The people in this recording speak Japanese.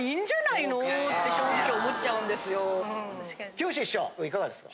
きよし師匠いかがですか。